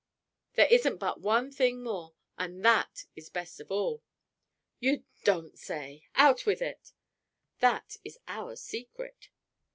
"There isn't but one thing more; but that is best of all!" "You don't say! Out with it!" "That is our secret."